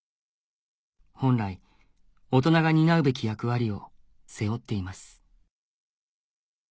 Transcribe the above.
本来大人が担うべき役割を背負っています